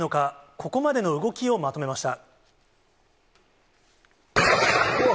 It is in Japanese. ここまでの動きをまとめました。